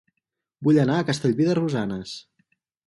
Vull anar a Castellví de Rosanes